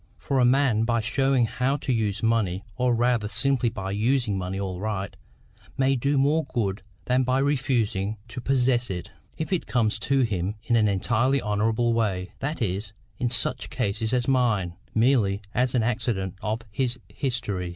For a man by showing how to use money, or rather simply by using money aright, may do more good than by refusing to possess it, if it comes to him in an entirely honourable way, that is, in such a case as mine, merely as an accident of his history.